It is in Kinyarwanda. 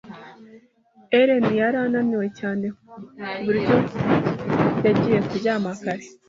Ellen yari ananiwe cyane ku buryo yagiye kuryama kare.